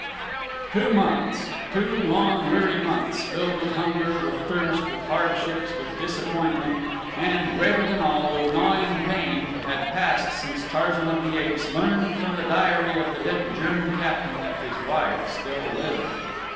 Two months two long, weary months filled with hunger, with thirst, with hardships, with disappointment, and, greater than all, with gnawing pain had passed since Tarzan of the Apes learned from the diary of the dead German captain that his wife still lived.